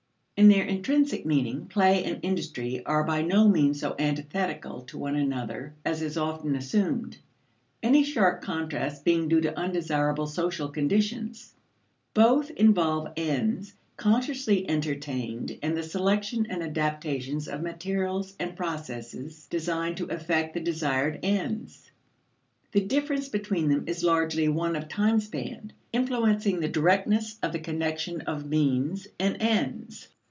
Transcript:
In their intrinsic meaning, play and industry are by no means so antithetical to one another as is often assumed, any sharp contrast being due to undesirable social conditions. Both involve ends consciously entertained and the selection and adaptations of materials and processes designed to effect the desired ends. The difference between them is largely one of time span, influencing the directness of the connection of means and ends.